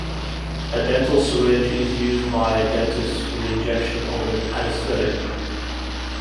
A dental syringe is a used by dentists for the injection of an anesthetic.